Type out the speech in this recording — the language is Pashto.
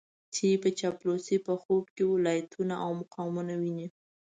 چې په چاپلوسۍ په خوب کې ولايتونه او مقامونه ويني.